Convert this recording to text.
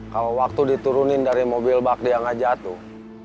kalau waktu diturunin dari mobil bak dia nggak jatuh